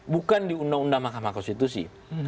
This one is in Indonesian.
bukan di undang undang mahkamah konstitusi